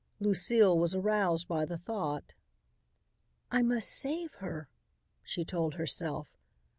Lucile was aroused by the thought. "I must save her," she told herself.